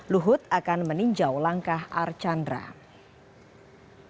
luhut akan meninjau langkah archan ratahar